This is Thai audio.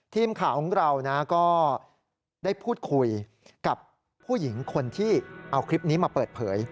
ทีมข่าวของเราก็ได้พูดคุยกับผู้หญิงคนที่เอาคลิปนี้มาเปิดเผย